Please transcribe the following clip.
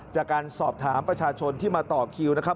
จากการสอบถามประชาชนที่มาต่อคิวนะครับ